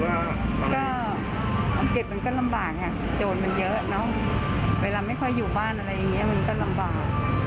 เวลาไม่ค่อยใช้ออกจากบ้านนะคะจะลำบาก